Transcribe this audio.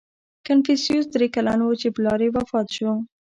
• کنفوسیوس درې کلن و، چې پلار یې وفات شو.